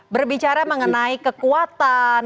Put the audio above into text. berbicara mengenai kekuatan